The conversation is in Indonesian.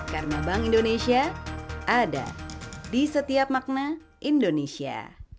karena bank indonesia ada di setiap makna indonesia